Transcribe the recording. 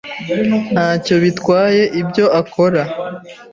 Ntacyo bitwaye ibyo akora.